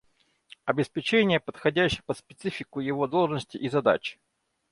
Обеспечение, подходящее под специфику его должности и задач